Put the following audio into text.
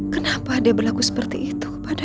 rizal pasti senang sekali